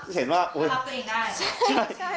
มันรับตัวเองได้